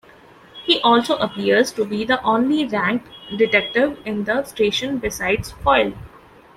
He also appears to be the only ranked detective in the station besides Foyle.